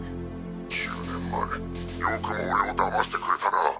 １０年前よくも俺を騙してくれたなっ！